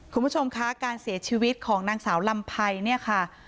คุณผู้ชมคะการเสียชีวิตของนางสาวลำไพรเนี่ยค่ะ